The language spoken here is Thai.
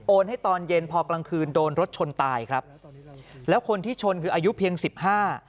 ให้ตอนเย็นพอกลางคืนโดนรถชนตายครับแล้วคนที่ชนคืออายุเพียงสิบห้า